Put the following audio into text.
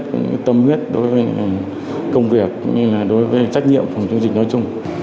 có những tâm huyết đối với công việc đối với trách nhiệm phòng chống dịch nói chung